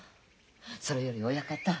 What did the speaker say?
それより親方